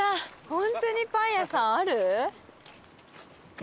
ホントにパン屋さんある？